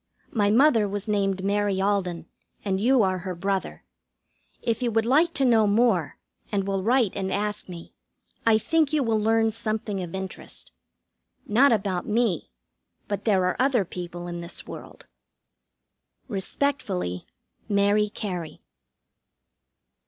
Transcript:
My mother was named Mary Alden, and you are her brother. If you would like to know more, and will write and ask me, I think you will learn something of interest. Not about me, but there are other people in this world. Respectfully, MARY CARY.